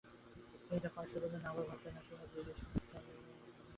তিনি তার পারসী বন্ধু “নাভাল ভাতেনা”র সাথে লিভিংস্টোন হলে বসবাস করেন।